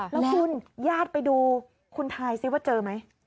แล้วคุณญาติไปดูคุณทายซิว่าเจอไหม